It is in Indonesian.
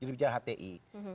jadi bicara hti